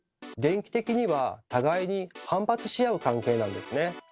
電気的には互いに反発し合う関係なんですね。